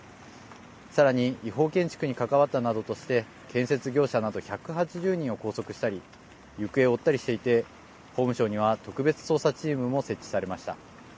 さらに違法建築に関わったなどとして建設業者など１８０人を拘束したり行方を追ったりしていて法務省には特別捜査チームも設置されました。